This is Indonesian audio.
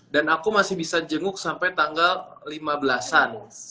dan aku masih bisa jenguk sampai tanggal lima belas an